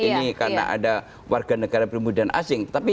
ini karena ada warga negara perumahan dan asing